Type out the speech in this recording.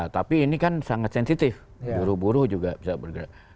tapi ini kan sangat sensitif buru buru juga bisa bergerak